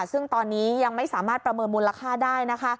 ซึ่งตอนนี้ยังไม่สามารถประเมินมูลค่าได้นะคะ